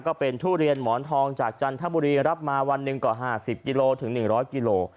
ทุเรียนหมอนทองจากจันทบุรีรับมาวันหนึ่งกว่า๕๐กิโลถึง๑๐๐กิโล